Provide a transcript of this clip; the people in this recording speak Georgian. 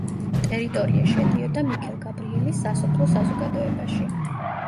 ტერიტორია შედიოდა მიქელგაბრიელის სასოფლო საზოგადოებაში.